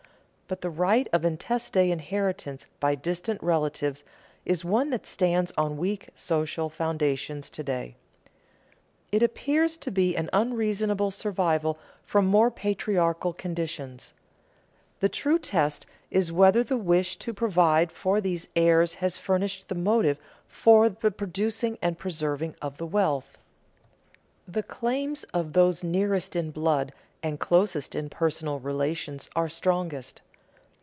But the right of intestate inheritance by distant relatives is one that stands on weak social foundations to day. It appears to be an unreasonable survival from more patriarchal conditions. The true test is whether the wish to provide for these heirs has furnished the motive for the producing and preserving of the wealth. The claims of those nearest in blood and closest in personal relations are strongest.